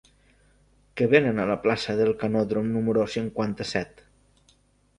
Què venen a la plaça del Canòdrom número cinquanta-set?